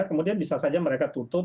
kemudian bisa saja mereka tutup